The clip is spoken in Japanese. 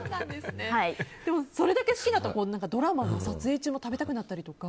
それだけ好きだとドラマの撮影中も食べたくなったりとか